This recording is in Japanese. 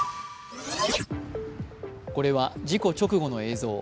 これは事故直後の映像。